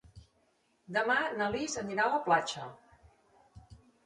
Demà na Lis anirà a la platja.